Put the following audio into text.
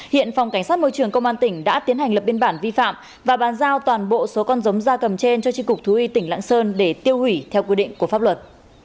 hiện phòng cảnh sát môi trường công an tỉnh đã tiến hành lập biên bản vi phạm và bàn giao toàn bộ số con giống ra cầm trên cho tri cục thú y tỉnh lạng sơn để tiêu hủy theo quy định của pháp luật